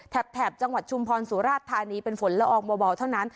แถบจังหวัดชุมพรสุราชธานีเป็นฝนละอองเบาเท่านั้น